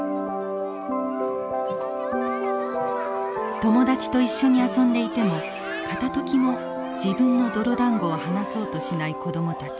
友達と一緒に遊んでいても片ときも自分の泥だんごを離そうとしない子供たち。